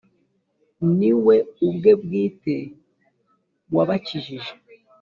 ni we ubwe bwite wabakijije;